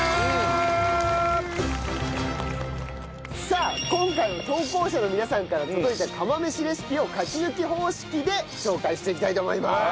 さあ今回も投稿者の皆さんから届いた釜飯レシピを勝ち抜き方式で紹介していきたいと思います。